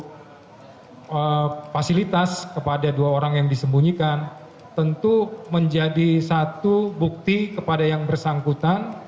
jadi jika kita melakukan satu fasilitas kepada dua orang yang disembunyikan tentu menjadi satu bukti kepada yang bersangkutan